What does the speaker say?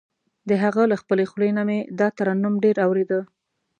د هغه له خپلې خولې نه مې دا ترنم ډېر اورېده.